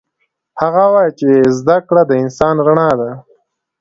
هغه وایي چې زده کړه د انسان رڼا ده